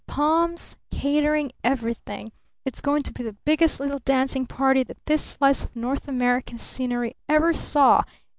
Palms! Catering! Everything! It's going to be the biggest little dancing party that this slice of North American scenery ever saw!